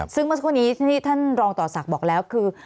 ซึ่งเมื่อสักครู่นี้ที่ท่านรองต่อศักดิ์บอกแล้วคือ